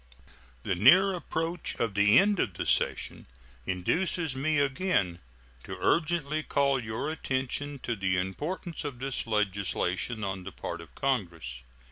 The near approach of the end of the session induces me again to urgently call your attention to the importance of this legislation on the part of Congress.